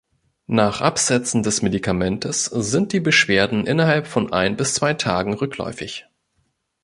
Nach Absetzen des Medikamentes sind die Beschwerden innerhalb von ein bis zwei Tagen rückläufig.